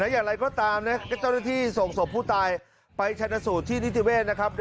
อย่างไรก็ตามนะเจ้าหน้าที่ส่งศพผู้ตายไปชนะสูตรที่นิติเวศนะครับ